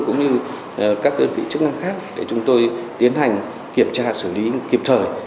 cũng như các đơn vị chức năng khác để chúng tôi tiến hành kiểm tra xử lý kịp thời